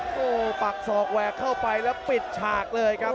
โอ้โหปักศอกแหวกเข้าไปแล้วปิดฉากเลยครับ